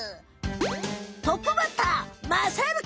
トップバッターまさるくん！